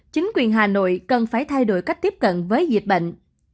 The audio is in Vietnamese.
chính quyền hà nội cần phải thay đổi cách tiếp cận với dịch bệnh